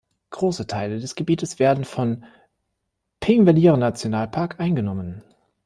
Große Teile des Gebietes werden vom Þingvellir-Nationalpark eingenommen.